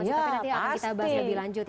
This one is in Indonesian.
tapi nanti akan kita bahas lebih lanjut ya